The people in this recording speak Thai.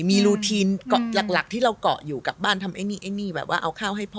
มีรุธีนหลักที่เราก่ออยู่กลับบ้านทำไอ่นี่เอาข้าวให้พ่อ